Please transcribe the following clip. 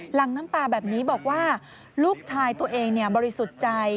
หลังน้ำตาแบบนี้บอกว่าลูกชายตัวเองบริสุทธิ์ใจ